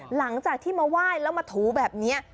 หลังจากที่มาไหว้แล้วมาถูแบบนี้